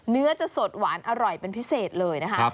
เนื้อจะสดหวานอร่อยเป็นพิเศษเลยนะคะ